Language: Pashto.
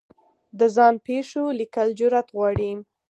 د ځان پېښو لیکل جرعت غواړي.